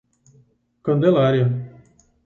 Candelária